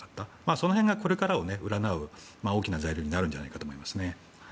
そこら辺がこれからを占う大きな材料になるんじゃないかと思いますね。